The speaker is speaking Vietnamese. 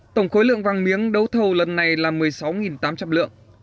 tổng khối lượng vàng miếng đấu thầu lần này là một mươi sáu tám trăm linh lượng